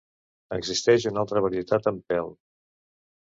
Existeix una altra varietat amb pèl.